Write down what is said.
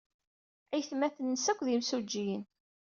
Aytmaten-nnes akk d imsujjiyen.